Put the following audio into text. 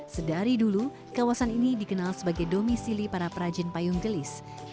sedari dulu kawasan ini dikenal sebagai domisili para perajin payung gelis